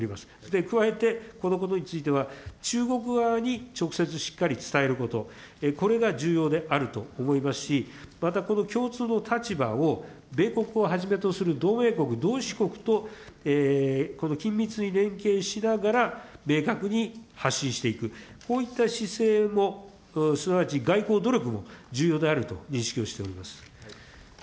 で、加えて、このことについては、中国側に直接しっかり伝えること、これが重要であると思いますし、また、この共通の立場を、米国をはじめとする同盟国、同志国とこの緊密に連携しながら、明確に発信していく、こういった姿勢も、すなわち外交努力も重要であると認識をしております。